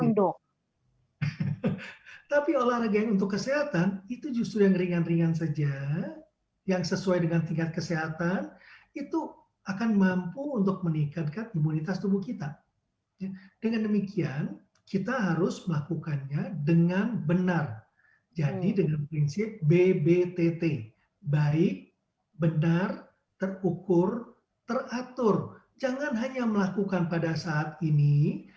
nah itu tentunya tidak baik untuk kesehatan pada saat ini